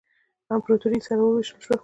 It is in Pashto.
امپراطوري یې سره ووېشل شوه.